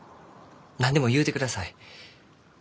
何でも言うてください。